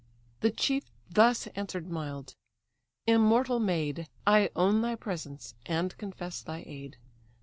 The chief thus answered mild: "Immortal maid! I own thy presence, and confess thy aid.